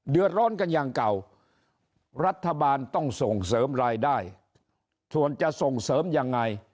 เดือดร้อนกันอย่างเก่ารัฐบาลต้องส่งเสริมรายได้ส่วนจะส่งเสริมยังไง